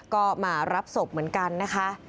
ก็มารับศพเหมือนกันนะคะ